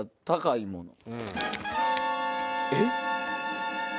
えっ？